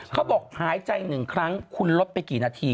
เขาบอกหายใจ๑ครั้งคุณลดไปกี่นาที